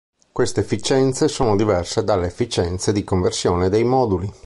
Queste efficienze sono diverse dalle efficienze di conversione dei moduli.